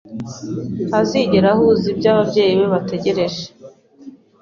Ntazigera ahuza ibyo ababyeyi be bategereje.